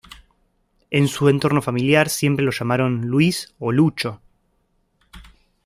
En su entorno familiar siempre lo llamaron Luis o Lucho.